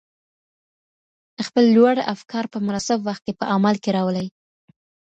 خپل لوړ افکار په مناسب وخت کي په عمل کي راولئ.